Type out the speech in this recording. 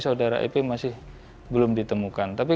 saudara ep masih belum ditemukan tapi